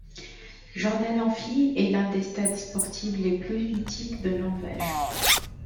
Jordal Amfi est l'un des stades sportives les plus mythiques de Norvège.